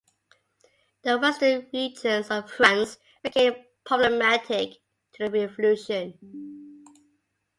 The Western regions of France became problematic to the Revolution.